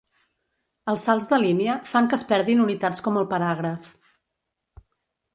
Els salts de línia fan que es perdin unitats com el paràgraf.